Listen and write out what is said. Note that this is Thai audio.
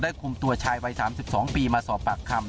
คุมตัวชายวัย๓๒ปีมาสอบปากคำ